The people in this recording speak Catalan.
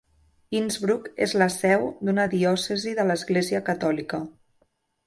Innsbruck és la seu d'una diòcesi de l'Església Catòlica.